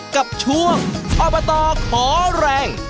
กับช่วงออร์บาตอร์ขอแรง